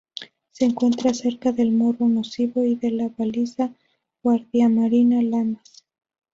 Se encuentra cerca del Morro Nocivo y de la baliza Guardiamarina Lamas.